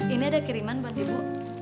ini ada kiriman buat ibu